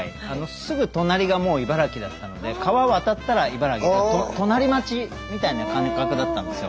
すぐ隣がもう茨城だったので川渡ったら茨城で隣町みたいな感覚だったんですよ。